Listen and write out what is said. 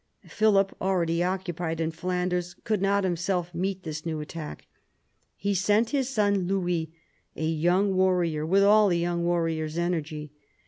Philip, already occupied in Flanders, could not himself meet this new attack. He sent his son Louis, a young warrior with all a young warrior's energy.